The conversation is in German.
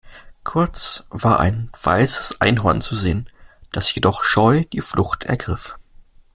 Kurz war ein weißes Einhorn zu sehen, das jedoch scheu die Flucht ergriff.